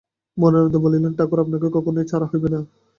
মনের আনন্দে বলিলেন, ঠাকুর, আপনাকে কখনোই ছাড়া হইবে না।